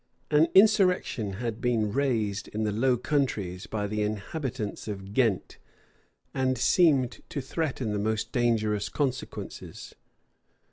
An insurrection had been raised in the Low Countries by the inhabitants of Ghent, and seemed to threaten the most dangerous consequences.